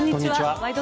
「ワイド！